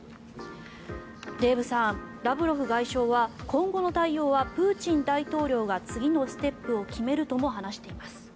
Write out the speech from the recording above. デーブさん、ラブロフ外相は今後の対応はプーチン大統領が次のステップを決めるとも話しています。